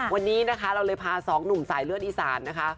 วันนี้นะคะเราเลยพาสองหนุ่มสายเลือดอีสานนะคะ